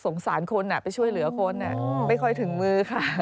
สารคนไปช่วยเหลือคนไม่ค่อยถึงมือค่ะ